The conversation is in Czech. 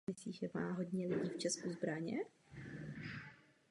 Během News of the World Tour často Mercury zpíval s Taylorem refrén.